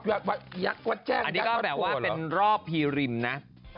อันนี้ก็แบบว่าเป็นรอบพีริมนะ